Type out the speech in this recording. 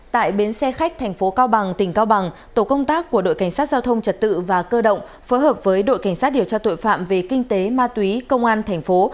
tại bến xe khách thành phố cao bằng tỉnh cao bằng tổ công tác của đội cảnh sát giao thông trật tự và cơ động phối hợp với đội cảnh sát điều tra tội phạm về kinh tế ma túy công an thành phố